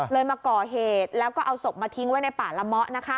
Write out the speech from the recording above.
มาก่อเหตุแล้วก็เอาศพมาทิ้งไว้ในป่าละเมาะ